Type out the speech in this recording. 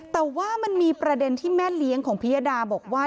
แต่ว่ามันมีประเด็นที่แม่เลี้ยงของพิยดาบอกว่า